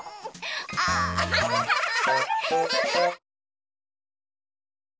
アハハハハ！